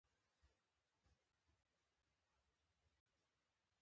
د رهبري بشپړ توان لري.